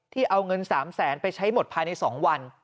เอาเงิน๓แสนไปใช้หมดภายใน๒วัน